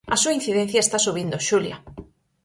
A súa incidencia está subindo, Xulia.